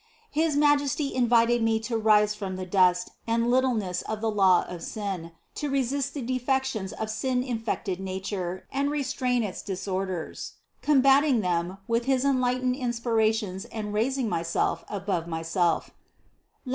His Majesty invited me to rise from the dust and littleness of the law of sin, to resist the defec tions of sin infected nature and restrain its disorders, combatting them by his enlightening inspirations and rais ing myself above myself (Lam.